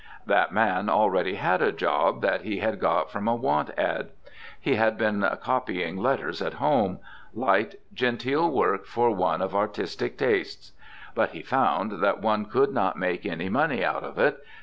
That man already had a job that he had got from a want "ad." He had been "copying letters" at home, "light, genteel work for one of artistic tastes." But he found that one could not make any money out of it.